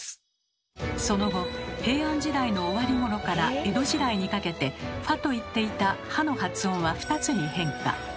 その後平安時代の終わり頃から江戸時代にかけて「ふぁ」といっていた「は」の発音は２つに変化。